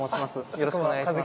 よろしくお願いします。